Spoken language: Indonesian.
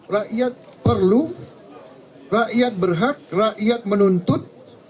rakyat perlu rakyat berhak rakyat menuntut